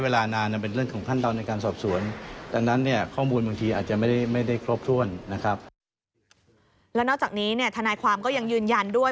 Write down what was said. และนอกจากนี้ธนายความก็ยังยืนยันด้วย